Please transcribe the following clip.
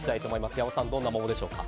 八尾さん、どんな桃でしょうか。